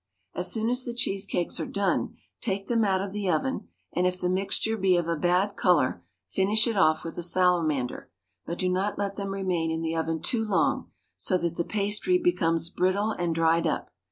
As soon as the cheese cakes are done, take them out of the oven, and if the mixture be of a bad colour finish it off with a salamander, but do not let them remain in the oven too long, so that the pastry becomes brittle and dried up.